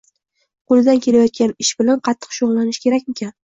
Qo‘lidan kelayotgan ish bilan qattiq shug‘ullanish kerakmikin?